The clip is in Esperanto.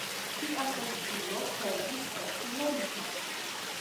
Tia postulo povus esti merita.